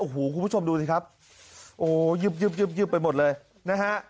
โอ้โหคุณผู้ชมดูสิครับโอ้ยึบยึบไปหมดเลยนะฮะ